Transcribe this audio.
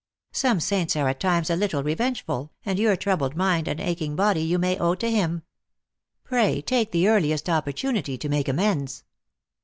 Some saints are at times a little revengeful, and your troubled mind and aching body you may owe to "him. Pray take the earliest opportunity to make amends."